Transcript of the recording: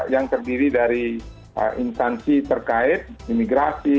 yang terdiri dari instansi terkait imigrasi